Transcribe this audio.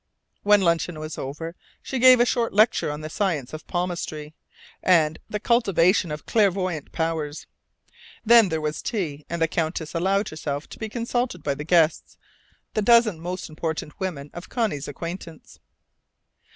When luncheon was over, she gave a short lecture on "the Science of Palmistry" and "the Cultivation of Clairvoyant Powers." Then there was tea; and the Countess allowed herself to be consulted by the guests the dozen most important women of Connie's acquaintance.